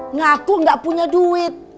ngaku gak punya duit